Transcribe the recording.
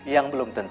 yang belum tersenyum